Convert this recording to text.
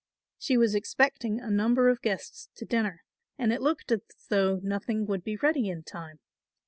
She was expecting a number of guests to dinner and it looked as though nothing would be ready in time.